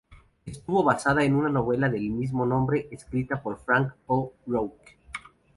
Estuvo basada en una novela del mismo nombre escrita por Frank O'Rourke.